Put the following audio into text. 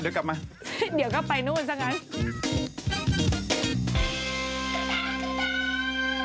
เดี๋ยวกลับไปนู่นซะงั้น